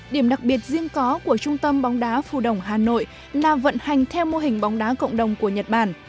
điểm đặc biệt riêng có của trung tâm bóng đá phù đồng hà nội là vận hành theo mô hình bóng đá cộng đồng của nhật bản